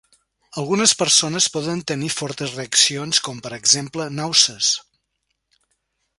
Algunes persones poden tenir fortes reaccions com, per exemple, nàusees.